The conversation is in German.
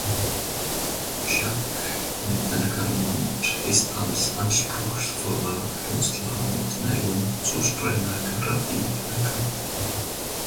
Jacques Nathan-Garamond ist als anspruchsvoller Künstler mit Neigung zu strenger Grafik bekannt.